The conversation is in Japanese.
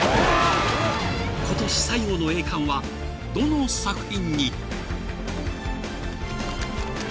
［今年最後の栄冠はどの作品に！？］